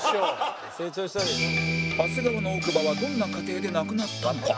長谷川の奥歯はどんな過程でなくなったのか？